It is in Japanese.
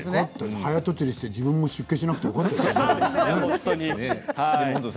早とちりしないで自分も出家しなくてよかったね。